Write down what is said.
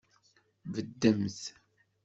Beddemt!